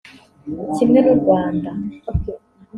Kimwe n’u Rwanda